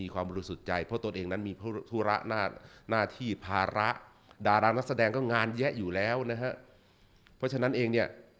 ก็งานเยอะอยู่แล้วนะฮะเพราะฉะนั้นเองเนี่ย